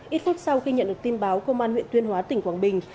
ít phút sau khi nhận được tin báo công an huyện tuyên hóa tỉnh quảng bình